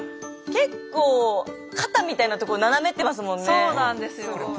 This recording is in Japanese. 結構肩みたいなとこ斜めってますもんね。